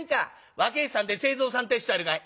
「若え衆さんで清蔵さんってえ人はいるかい？」。